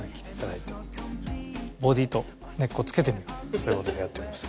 そういう事でやっております。